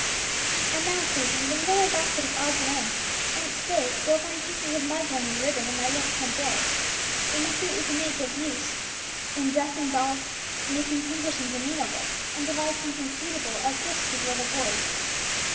"And now, Susan, bring down my basket of odds and ends, and stay you will find pieces of muslin and ribbon in my left hand drawer. We must see what we can make use of in dressing dolls, making pincushions and needle books, and devise something suitable as gifts for the little boys."